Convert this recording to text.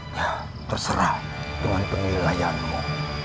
ya terserah dengan penilaianmu